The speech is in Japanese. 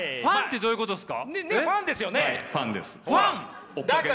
どういうことですか？